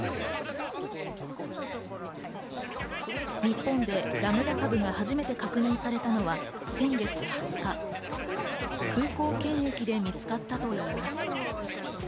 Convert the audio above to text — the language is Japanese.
日本でラムダ株が初めて確認されたのは先月２０日、空港検疫で見つかったといいます。